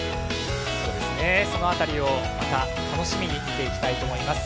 その辺りをまた楽しみに見ていきたいと思います。